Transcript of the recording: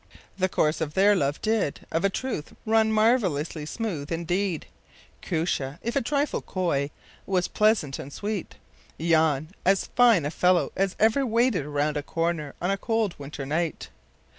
” The course of their love did, of a truth, run marvellously smooth indeed. Koosje, if a trifle coy, was pleasant and sweet; Jan as fine a fellow as ever waited round a corner on a cold winter night.